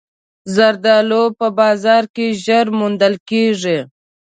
زردالو په بازار کې ژر موندل کېږي.